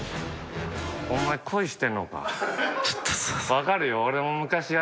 分かるよ。